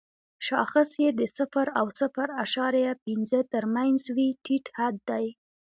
شاخص یې د صفر او صفر اعشاریه پنځه تر مینځ وي ټیټ حد دی.